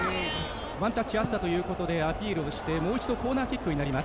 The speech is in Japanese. ワンタッチあったということでアピールをしてもう一度コーナーキック。